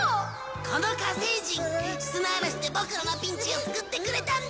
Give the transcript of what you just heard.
この火星人砂嵐でボクらのピンチを救ってくれたんだ。